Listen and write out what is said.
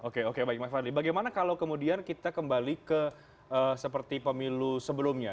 oke oke baik mas fadli bagaimana kalau kemudian kita kembali ke seperti pemilu sebelumnya